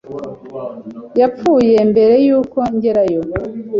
Yapfuye mbere yuko ngerayo.